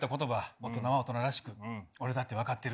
大人は大人らしく、俺だって分かってる。